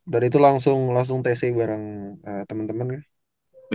dan itu langsung langsung tc bareng temen temen ya